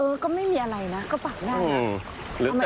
เออก็ไม่มีอะไรนะก็ปักหน้า